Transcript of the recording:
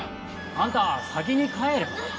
あんた先に帰れば？